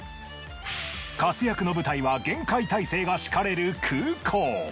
活躍の舞台は厳戒態勢が敷かれる空港。